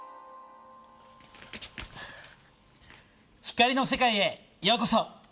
光の世界へようこそ。